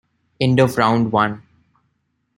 End of round one.